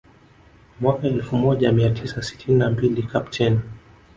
Mwaka elfu moja mia tisa sitini na mbili Kapteni